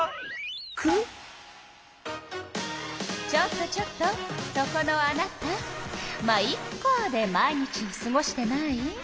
ちょっとちょっとそこのあなた「ま、イッカ」で毎日をすごしてない？